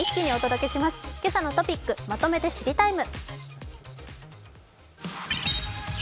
「けさのトピックまとめて知りＴＩＭＥ，」。